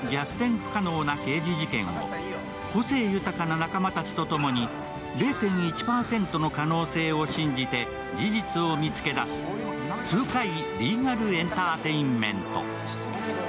不可能な事件を刑事事件を個性豊かな仲間たちとともに０．１％の可能性を信じて事実を見つけ出す痛快リーガル・エンターテインメント。